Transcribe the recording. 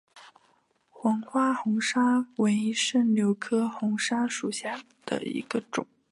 黄花红砂为柽柳科红砂属下的一个种。